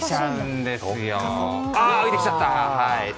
浮いてきちゃった。